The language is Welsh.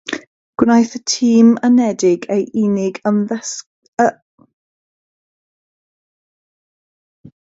Gwnaeth y Tîm Unedig ei unig ymddangosiad Olympaidd.